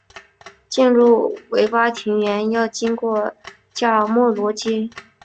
进入维巴庭园要经过加尔默罗街。